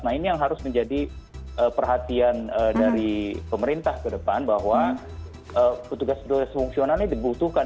nah ini yang harus menjadi perhatian dari pemerintah ke depan bahwa petugas petugas fungsional ini dibutuhkan